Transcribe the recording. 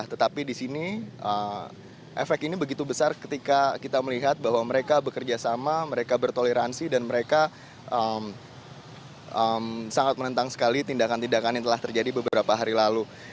tetapi di sini efek ini begitu besar ketika kita melihat bahwa mereka bekerja sama mereka bertoleransi dan mereka sangat menentang sekali tindakan tindakan yang telah terjadi beberapa hari lalu